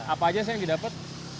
apa aja saya yang didapet